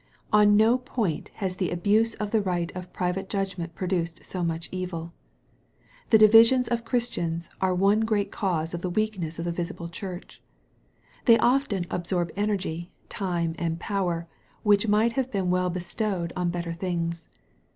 On no point has the abuse of the right of private judgment produced so much evil. The divisions of Christians are one great cause of the weakness of the visible church. They often absorb energy, time, and power, which might have been well bestowed on bettei things.